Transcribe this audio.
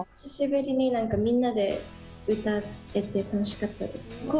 久しぶりにみんなで歌ってて楽しかったです。